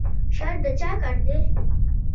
شر د چا کار دی؟